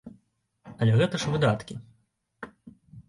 Але гэта ж выдаткі.